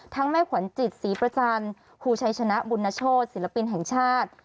แม่ขวัญจิตศรีประจันทร์ครูชัยชนะบุญนโชธศิลปินแห่งชาติ